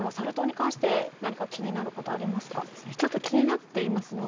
唐木さんはサル痘に関して何か気になることはありますか。